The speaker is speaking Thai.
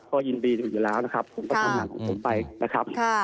ก็ยินดีอยู่แล้วนะครับผมก็ทำงานของผมไปนะครับ